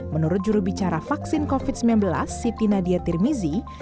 menurut jurubicara vaksin covid sembilan belas siti nadia tirmizi